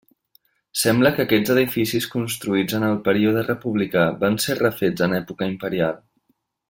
Sembla que aquests edificis construïts en el període republicà van ser refets en època imperial.